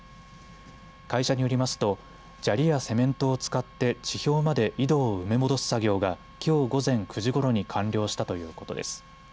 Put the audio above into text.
会社によりますと砂利やセメントを使って地表まで井戸を埋め戻す作業がきょう午前９時ごろに完了したということです。